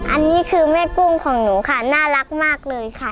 อันนี้คือแม่กุ้งของหนูค่ะน่ารักมากเลยค่ะ